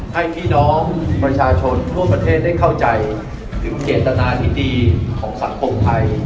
ให้พี่น้องประชาชนทั่วประเทศได้เข้าใจถึงเจตนาที่ดีของสังคมไทย